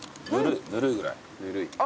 ぬるいぐらい？